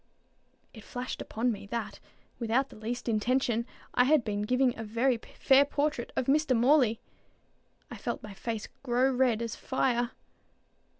It flashed upon me, that, without the least intention, I had been giving a very fair portrait of Mr. Morley. I felt my face grow as red as fire.